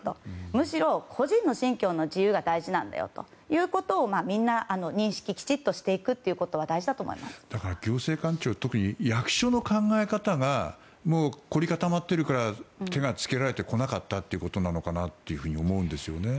むしろ、個人の信教の自由が大事なんだよとみんな、認識をきちっとしていくということはだから行政官庁特に役所の考え方が凝り固まっているから手が付けられてこなかったっていうことなのかなと思うんですよね。